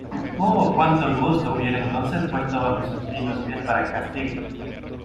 ¡ oh, con cuánto gusto hubiérate entonces puesto bajo sus lindos pies para castigo!